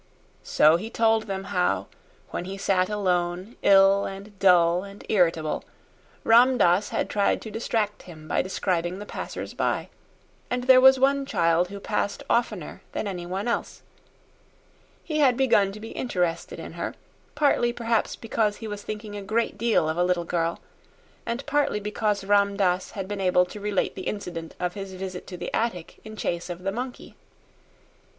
So he told them how, when he sat alone, ill and dull and irritable, Ram Dass had tried to distract him by describing the passers by, and there was one child who passed oftener than any one else; he had begun to be interested in her partly perhaps because he was thinking a great deal of a little girl, and partly because Ram Dass had been able to relate the incident of his visit to the attic in chase of the monkey.